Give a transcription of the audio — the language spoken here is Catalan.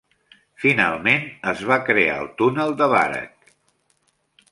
Finalment, es va crear el túnel de Baregg.